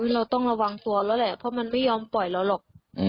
เราต้องระวังตัวแล้วแหละเพราะมันไม่ยอมปล่อยเราหรอก